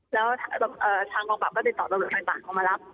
แล้วทางกองปราบก็ติดต่อตำรวจต่างเขามารับ